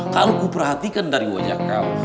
kalau kuperhatikan dari wajah kau